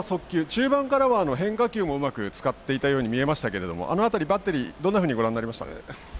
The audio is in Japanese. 中盤からは変化球もうまく使っていたように見えましたがあの辺り、バッテリーどんなふうにご覧になりました？